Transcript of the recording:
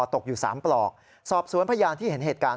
ตกอยู่๓ปลอกสอบสวนพยานที่เห็นเหตุการณ์